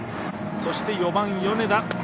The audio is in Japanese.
そして、４番、米田。